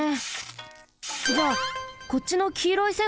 じゃあこっちのきいろい線はなに？